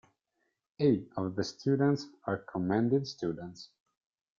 Eight of the students are Commended Students.